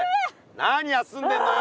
なに休んでんのよ。